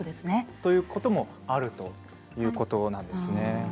そういうこともあるということですね。